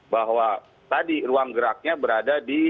bahwa tadi ruang geraknya berada di